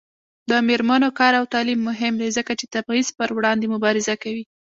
د میرمنو کار او تعلیم مهم دی ځکه چې تبعیض پر وړاندې مبارزه کوي.